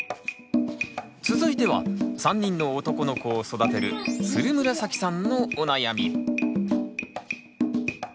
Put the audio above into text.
続いては３人の男の子を育てるつるむらさきさんのお悩み。